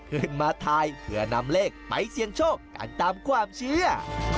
มาทายเพื่อนำเลขไปเสี่ยงโชคกันตามความเชื่อ